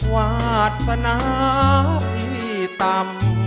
วาสนาพี่ต่ำ